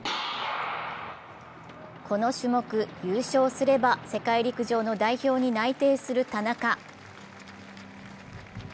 この種目優勝すれば世界陸上の代表に内定する田中。